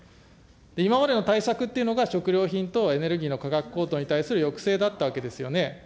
今までの対策っていうのが、食料品とエネルギーの価格高騰に対する抑制だったわけですよね。